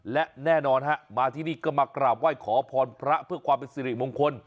และแน่นอนฮะมาที่นี่ก็มากราบไหว้ขอพรพระเพื่อความเป็นสิริมงคล